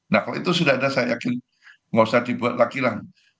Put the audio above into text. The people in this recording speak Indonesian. nah kalau itu sudah ada saya yakin nggak usah dibuat lagi lah